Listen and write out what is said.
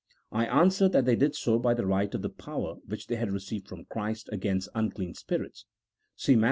I answer that they did so by the right of the power which they had received from Christ against unclean spirits (see Matt.